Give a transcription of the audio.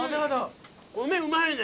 米うまいね！